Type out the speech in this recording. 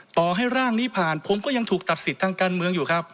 ต่อให้ร่างนี้ผ่านผมก็ยังถูกตัดสิทธิ์ทางการเมืองอยู่ครับ